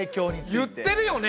言ってるよね！